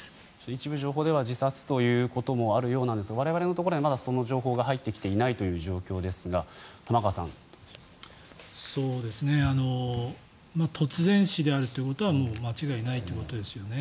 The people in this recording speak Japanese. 一部情報では自殺ということもあるようなんですが我々には、まだその情報が入ってきていないという状況ですが突然死であるということはもう間違いないということですよね。